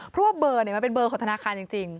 เพราะว่าเบอร์มันเป็นเบอร์ของธนาคารจริง